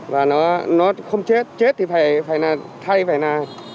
và nó không chết chết thì phải là thay phải là